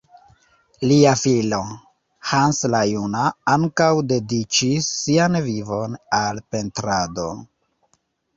Lia filo, Hans la juna, ankaŭ dediĉis sian vivon al pentrado.